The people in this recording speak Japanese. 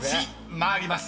参ります。